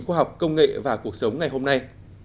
khoa học công nghệ và cuộc sống ngày hôm nay